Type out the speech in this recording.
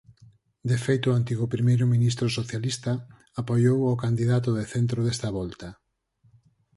De feito o antigo primeiro ministro socialista, apoiou ao candidato de centro desta volta.